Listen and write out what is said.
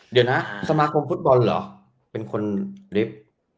เดี๋ยวนะสมาคมฟุตบอลเหรอเป็นคนลิฟต์